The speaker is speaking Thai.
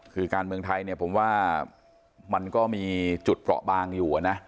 คือการเมืองไทยเนี่ยผมว่ามันก็มีจุดเปราะบางอยู่นะ